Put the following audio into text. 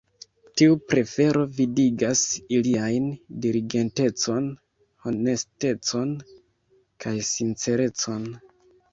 Tiu prefero vidigas iliajn diligentecon, honestecon kaj sincerecon.